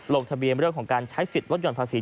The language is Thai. โรคทะเบียนเรื่องของการใช้สิทธิ์รถยนต์ภาษี